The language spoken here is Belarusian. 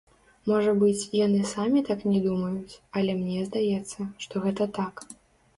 Можа быць, яны самі так не думаюць, але мне здаецца, што гэта так.